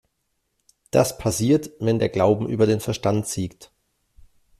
Das passiert, wenn der Glauben über den Verstand siegt.